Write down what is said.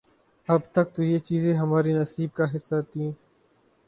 اب تک تو یہ چیزیں ہمارے نصیب کا حصہ تھیں۔